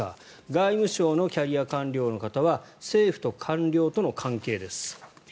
外務省のキャリア官僚の方は政府と官僚との関係です。